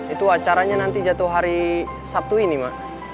itu acaranya nanti jatuh hari sabtu ini mak